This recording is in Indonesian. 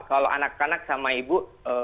kalau anak anak sama ibu